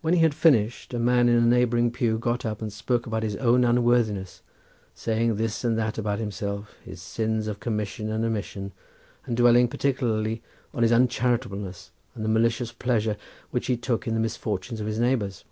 When he had finished a man in a neighbouring pew got up and spoke about his own unworthiness, saying this and that about himself, his sins of commission and omission, and dwelling particularly on his uncharitableness and the malicious pleasure which he took in the misfortunes of his neighbours.